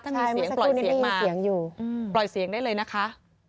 ถ้ามีเสียงปล่อยเสียงมาปล่อยเสียงได้เลยนะคะ